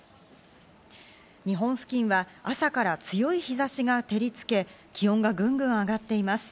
日本付近は朝から強い日差しが照りつけ、気温がぐんぐん上がっています。